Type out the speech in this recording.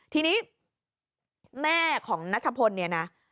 ทีนี้แม่ของนัทพลเนี่ยนะ